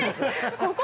◆ここ？